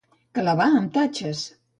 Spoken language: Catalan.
Clavar amb tatxes.